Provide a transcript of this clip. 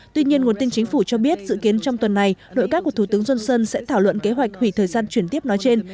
tuy nhiên nguồn tin chính phủ cho biết dự kiến trong tuần này nội các của thủ tướng johnson sẽ thảo luận kế hoạch hủy thời gian chuyển tiếp nói trên